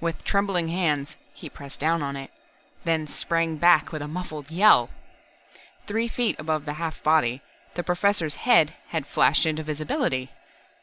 With trembling hands, he pressed down on it then sprang back with a muffled yell. Three feet above the half body, the Professor's head had flashed into visibility.